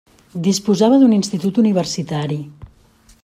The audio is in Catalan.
Disposava d'un institut universitari.